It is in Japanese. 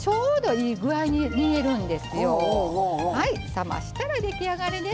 冷ましたら出来上がりです。